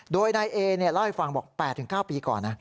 โดยนายเอเล่าให้ฟังบอก๘๙ปีก่อนนะ